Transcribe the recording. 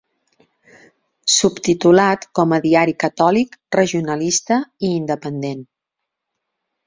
Subtitulat com a Diari catòlic, regionalista i independent.